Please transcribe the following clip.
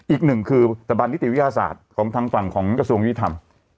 อีกหนึ่งคือสถาบันนิติวิทยาศาสตร์ของทางฝั่งของกระทรวงยุทธรรม